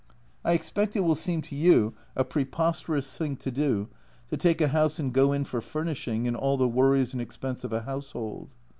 I expect it will seem to you a preposterous thing to do, to take a house and go in for " furnishing" and all the worries and expense of a household.